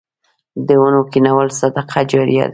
د ونو کینول صدقه جاریه ده.